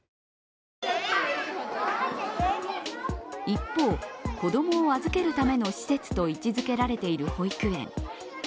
一方、子供を預けるための施設と位置づけられている保育園。